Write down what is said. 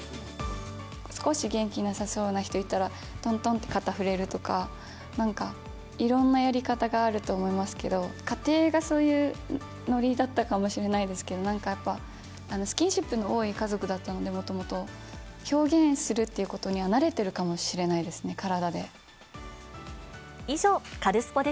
少し元気なさそうな人いたら、とんとんって肩触れるとか、なんか、いろんなやり方があると思いますけど、家庭がそういうのりだったかもしれないですけど、なんかやっぱ、スキンシップの多い家族だったので、もともと。表現するということには慣れてるかもしれないですね、体で。